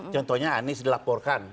contohnya anies dilaporkan